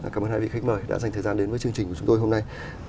cảm ơn hai vị khách mời đã dành thời gian đến với chương trình của chúng tôi hôm nay